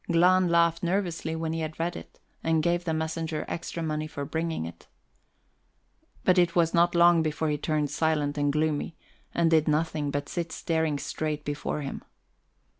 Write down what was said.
Glahn laughed nervously when he had read it, and gave the messenger extra money for bringing it. But it was not long before he turned silent and gloomy, and did nothing but sit staring straight before him.